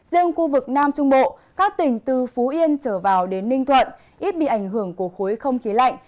riêng khu vực nam trung bộ các tỉnh từ phú yên trở vào đến ninh thuận ít bị ảnh hưởng của khối không khí lạnh